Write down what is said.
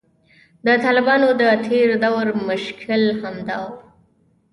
د طالبانو د تیر دور مشکل همدا و